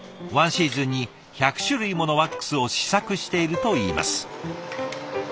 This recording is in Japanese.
１シーズンに１００種類ものワックスを試作しているといいます。